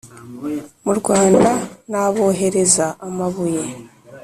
Mu rwanda n abohereza amabuye